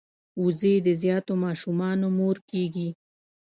وزې د زیاتو ماشومانو مور کیږي